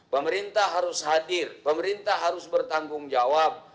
pemerintah harus hadir pemerintah harus bertanggung jawab